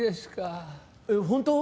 本当？